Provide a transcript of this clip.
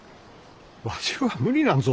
わしは無理なんぞ。